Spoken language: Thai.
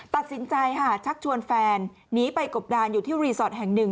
ตัดสินใจค่ะชักชวนแฟนหนีไปกบดานอยู่ที่รีสอร์ทแห่งหนึ่ง